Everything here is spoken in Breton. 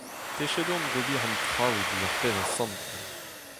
Techet on d'ober an traoù diouzh ar pezh a santan.